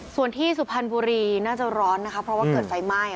ส่วนที่สุพรรณบุรีน่าจะร้อนนะคะเพราะว่าเกิดไฟไหม้